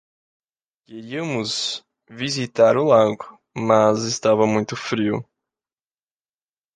Queríamos visitar o lago, mas estava muito frio